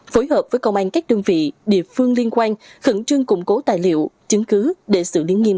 phối hợp với công an các đơn vị địa phương liên quan khẩn trương củng cố tài liệu chứng cứ để xử lý nghiêm